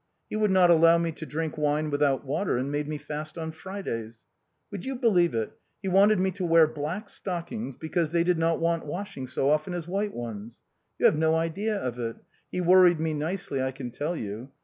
He would not allow me to drink wine without water, and made me fast on Fridays. Would you believe it, he wanted me to wear black stockings, because they did not want washing so often as white ones. You have no idea of it, he worried me nicely I can tell you.